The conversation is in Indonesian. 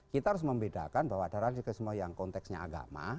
kita harus membedakan bahwa ada radikalisme yang konteksnya agama